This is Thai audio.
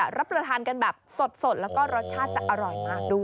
รับประทานกันแบบสดแล้วก็รสชาติจะอร่อยมากด้วย